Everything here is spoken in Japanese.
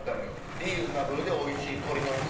リーズナブルでおいしい鶏の店。